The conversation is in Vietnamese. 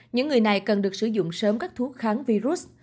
những người này cần được sử dụng sớm các thuốc kháng virus